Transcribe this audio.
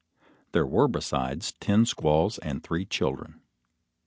There were besides, ten squaws and three children.